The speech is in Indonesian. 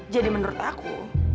jadi menurut aku